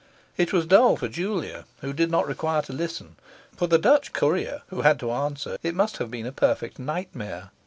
It was dull for Julia, who did not require to listen; for the Dutch courier, who had to answer, it must have been a perfect nightmare.